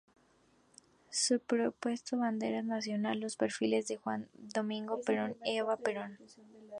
Superpuestos a esta bandera nacional, los perfiles de Juan Domingo Perón y Eva Perón.